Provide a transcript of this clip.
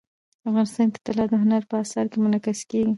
افغانستان کې طلا د هنر په اثار کې منعکس کېږي.